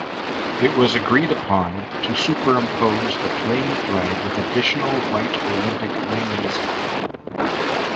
It was agreed upon to superimpose the plain flag with additional white Olympic rings.